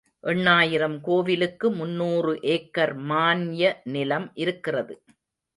எண்ணாயிரம் கோவிலுக்கு முன்னூறு ஏக்கர் மான்ய நிலம் இருக்கிறது.